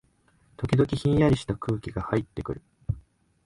時々、ひんやりした空気がはいってくる